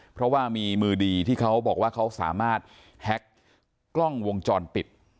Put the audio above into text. เพราะว่ามีมือดีที่เขาบอกว่าเขาสามารถแฮ็กกล้องวงจรปิด